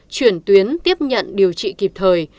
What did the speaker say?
chuyển tuyến tiếp nhận điều trị kịp thời